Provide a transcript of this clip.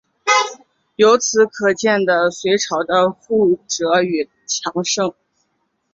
由此可见的隋朝的富庶与强盛。